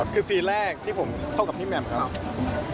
คือซีแรกที่ผมเข้ากับพี่แหม่มครับ